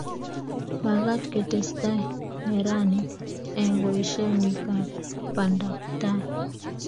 Magat ketesta neranik eng boisionikab bandaptai